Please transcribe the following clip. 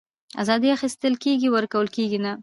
آزادي اخيستل کېږي ورکول کېږي نه